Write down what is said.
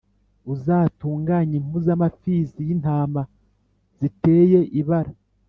Uzatunganye impu z amapfizi y intama ziteye ibara